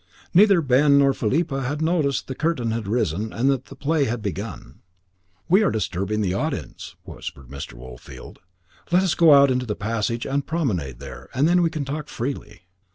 Neither Ben nor Philippa had noticed that the curtain had risen and that the play had begun. "We are disturbing the audience," whispered Mr. Woolfield. "Let us go out into the passage and promenade there, and then we can talk freely."